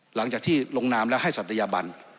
หลังจากที่ลงนามแล้วให้ศัตยบัน